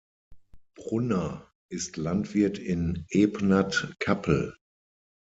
Brunner ist Landwirt in Ebnat-Kappel.